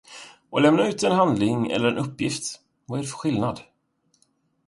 Att lämna ut en handling eller en uppgift – vad är det för skillnad?